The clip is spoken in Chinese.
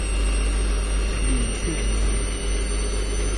李绚人。